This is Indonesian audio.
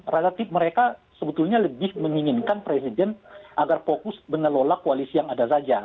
relatif mereka sebetulnya lebih menginginkan presiden agar fokus mengelola koalisi yang ada saja